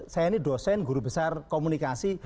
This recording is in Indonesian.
saya ini dosen guru besar komunikasi